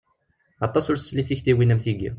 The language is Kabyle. Aṭas ur tesli i tiktiwin am tigi.